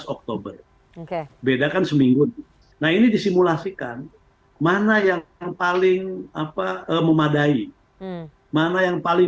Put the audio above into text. enam belas oktober bedakan seminggu nah ini disimulasikan mana yang paling memadai mana yang paling